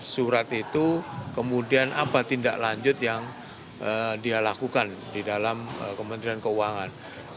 surat itu kemudian apa tindak lanjut yang dia lakukan di dalam kementerian keuangan